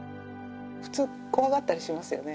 普通怖がったりしますよね。